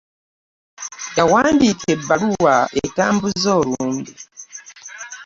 Yawandiika ebbaluwa etambuza olumbe.